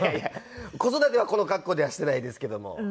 子育てはこの格好ではしてないですけども。